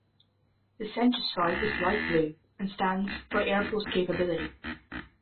The center stripe is light blue and stands for Air Force capability.